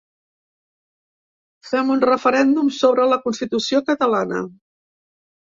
Fem un referèndum sobre la constitució catalana.